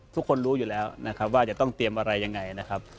ทุกคนรู้อยู่แล้วว่าจะต้องเตรียมอะไรอย่างไรนะครับ